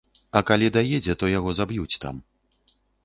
А калі даедзе, то яго заб'юць там.